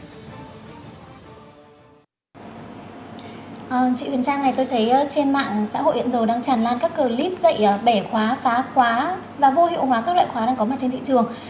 chị huyền trang này tôi thấy trên mạng xã hội hiện giờ đang tràn lan các clip dạy bẻ khóa phá khóa và vô hiệu hóa các loại khóa đang có mặt trên thị trường